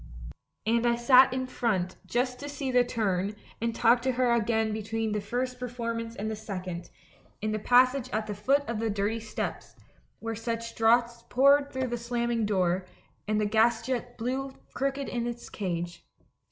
And I sat in front, just to see the turn, and talk to her again between the first per formance and the second — in the passage at the foot of the dirty steps, where such draughts 194 THE MAN WHO UNDERSTOOD WOMEN poured through the slamming door, and the gas jet blew crooked in its cage.